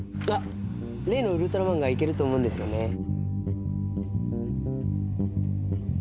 あっ例のウルトラマンが行けると思うんですよね。